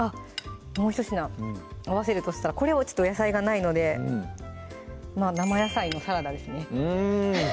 もう一品合わせるとしたらこれはちょっと野菜がないので生野菜のサラダですね